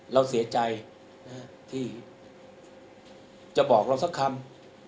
เราเสียใจที่จะบอกเราสักคำ